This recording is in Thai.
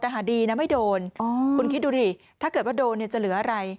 แต่หาดีนะไม่โดนคุณคิดดูดิถ้าเกิดว่าโดนเนี่ยจะเหลืออะไร